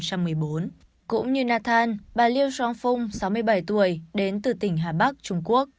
cũng như nathan bà liu zhongfeng sáu mươi bảy tuổi đến từ tỉnh hà bắc trung quốc